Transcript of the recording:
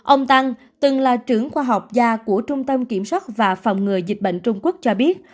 ông tăng từng là trưởng khoa học gia của trung tâm kiểm soát và phòng ngừa dịch bệnh trung quốc cho biết